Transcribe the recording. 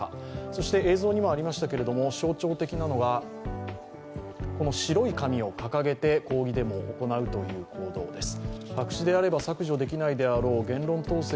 そして映像にもありましたけど象徴的なのが白い紙を掲げて抗議デモを行うという行動です。